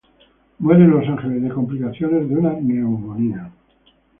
Muere en Los Angeles de complicaciones de una neumonía.